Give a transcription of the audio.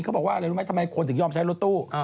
เขาบอกว่าอะไรรู้ไหมทำไมคนถึงยอมใช้รถตู้